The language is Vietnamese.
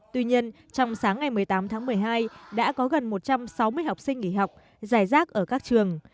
tuy nhiên trong sáng ngày một mươi tám tháng một mươi hai đã có gần một trăm sáu mươi học sinh nghỉ học giải rác ở các trường